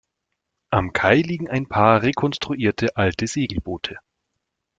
Am Kai liegen ein paar rekonstruierte alte Segelboote.